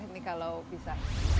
ini kalau bisa